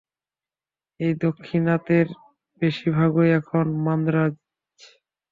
এই দাক্ষিণাত্যের বেশীর ভাগই এখন মান্দ্রাজ।